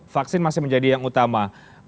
vaksin masih menjadi yang utama